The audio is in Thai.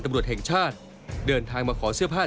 ตำรวจแห่งชาติเดินทางมาขอเสื้อผ้า